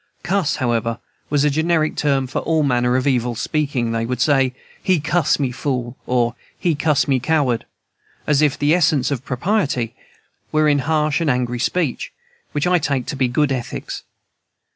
"Cuss," however, was a generic term for all manner of evil speaking; they would say, "He cuss me fool," or "He cuss me coward," as if the essence of propriety were in harsh and angry speech, which I take to be good ethics.